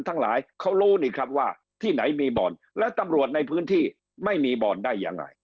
ทั้งหลายเขารู้นี่ครับว่าที่ไหนมีบ่อนและตำรวจในพื้นที่ไม่มีบ่อนได้ยังไง